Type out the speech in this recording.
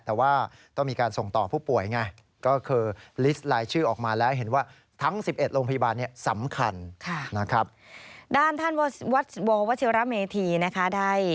แต่ว่าต้องมีการส่งต่อผู้ป่วยไง